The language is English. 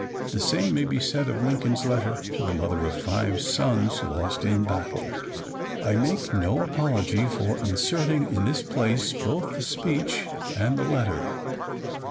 The same may be said of Lincoln's letter to the mother of five sons lost in battle. I make no apology for inserting in this place both the speech and the letter.